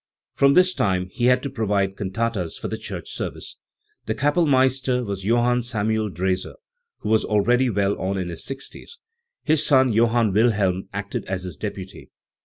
From this time he had to provide cantatas for the church service. The Kapellmeister was Johann Samuel Drese, who was already well on in his sixties ; his son Johann Wilhelm acted as his deputy.